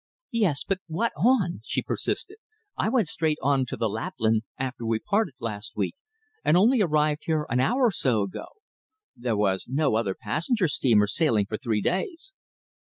"Yes, but what on?" she persisted. "I went straight on to the Lapland after we parted last week, and only arrived here an hour or so ago. There was no other passenger steamer sailing for three days."